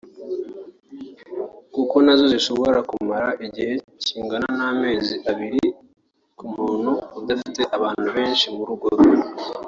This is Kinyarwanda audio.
kuko na zo zishobora kumara igihe kingana n’amezi abiri ku muntu udafite abantu benshi mu rugo rwe